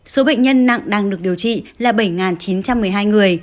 số bệnh nhân nặng đang được điều trị là bảy chín trăm một mươi hai người